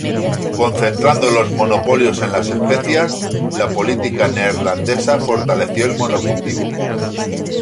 Concentrando los monopolios en las especias, la política neerlandesa fortaleció el monocultivo.